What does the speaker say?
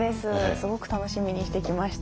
すごく楽しみにしてきました。